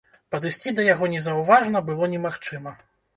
Падысці да яго незаўважна было немагчыма.